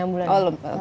enam bulan lebih